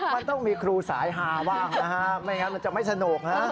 มันต้องมีครูสายฮาบ้างไม่อย่างนั้นมันจะไม่สนุก